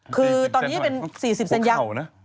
คือตอนนี้เป็น๔๐เซนต์ยังหัวเข่าน่ะ